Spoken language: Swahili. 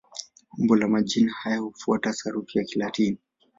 Umbo la majina haya hufuata sarufi ya Kilatini.